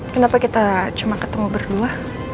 kenapa kita cuma ketemu berdua